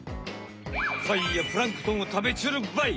貝やプランクトンを食べちょるばい！